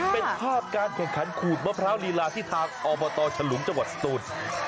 เป็นภาพการแข่งขันขูดมะพร้าวลีลาที่ทางอบตฉลุงจังหวัดสตูน